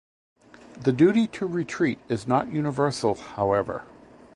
The duty to retreat is not universal, however.